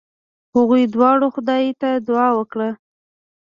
هغوی دواړو خدای ته دعا وکړه.